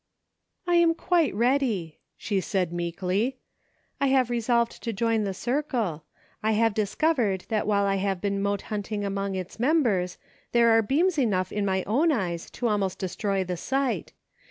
"I am quite ready," she said meekly. " I have resolved to join the circle ; I have discovered that while I have been mote hunting among its mem bers, there are beams enough in my own eyes to almost destroy the sight.